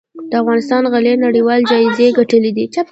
د افغانستان غالۍ نړیوال جایزې ګټلي دي